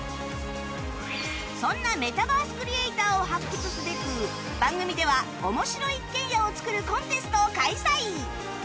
そんなメタバースクリエイターを発掘すべく番組では面白一軒家をつくるコンテストを開催！